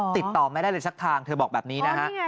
ติดต่อไม่ได้เลยสักทางเธอบอกแบบนี้นะฮะ